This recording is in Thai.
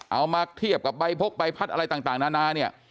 เอามาเทียบกับใบพกใบพัดอะไรต่างนานาเนี่ย